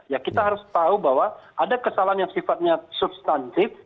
ya kita harus tahu bahwa ada kesalahan yang sifatnya substantif